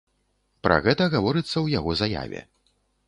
Пра гэта гаворыцца ў яго заяве.